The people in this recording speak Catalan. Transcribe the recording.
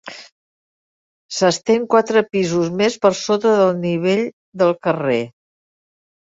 S'estén quatre pisos més per sota del nivell del carrer.